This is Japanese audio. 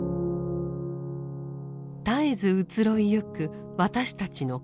絶えず移ろいゆく私たちの心。